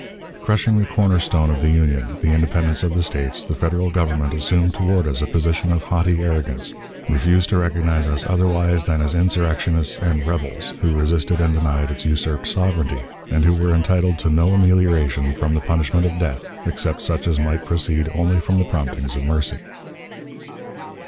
Crushing the corner stone of the Union, the independence of the States, the Federal Government assumed toward us a position of haughty arrogance, refused to recognize us otherwise than as insurrectionists and "rebels," who resisted and denied its usurped sovereignty, and who were entitled to no amelioration from the punishment of death, except such as might proceed only from the promptings of mercy.